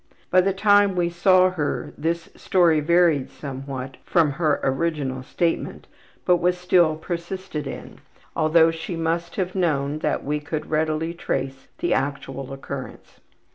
By the time we saw her this story varied somewhat from her original statement, but was still persisted in, although she must have known that we could readily trace the actual occurrence.